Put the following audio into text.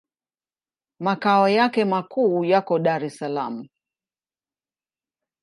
Makao yake makuu yako Dar es Salaam.